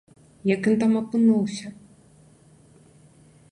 Як ён там апынуўся?